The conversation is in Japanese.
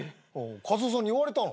カズオさんに言われたの？